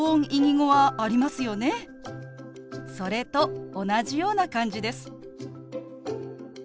それと同じような感じです。